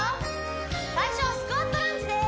最初はスクワットランジです